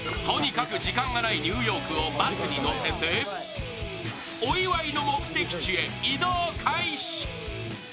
とにかく時間がないニューヨークをバスに乗せてお祝いの目的地へ、移動開始。